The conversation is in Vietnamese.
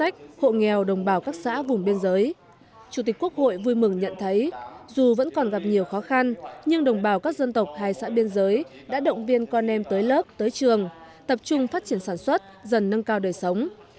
chương trình nhân dân vẫn còn gặp nhiều khó khăn nhưng đồng bào các dân tộc hai xã biên giới đã động viên con em tới lớp tới trường tập trung phát triển sản xuất dần nâng cao đời sống